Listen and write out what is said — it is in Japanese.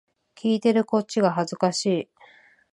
聞いてるこっちが恥ずかしい